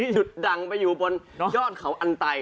จุดดังไปอยู่บ้างยอดเขาอนไต